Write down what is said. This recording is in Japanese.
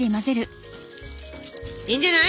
いいんじゃない？